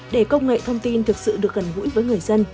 để công nghệ thông tin thực sự được gần gũi với người dân